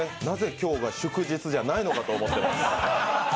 なぜ今日が祝日じゃないのかと思ってます。